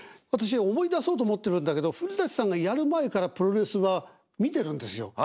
私思い出そうと思ってるんだけど古さんがやる前からプロレスは見てるんですよ。